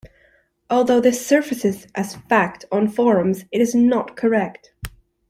Although this surfaces as "fact" on forums it is not correct.